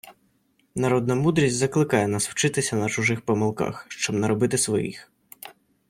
Народна мудрість закликає нас вчитися на чужих помилках, щоб не робити своїх